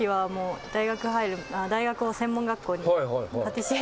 大学を専門学校に。